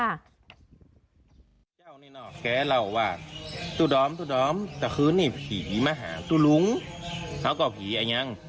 แกเล่าว่าทุน้ำทุน้ำกับคืนนี่ผีมหาตุลุงเขาก็ผีอันยัง